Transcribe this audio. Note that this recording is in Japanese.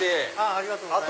ありがとうございます。